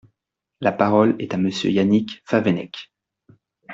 La parole est à Monsieur Yannick Favennec.